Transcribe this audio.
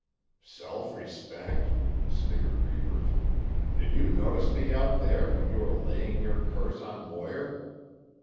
"Self respect?" sniggered Reivers. "Did you notice me out there when you were laying your curse on Moir?"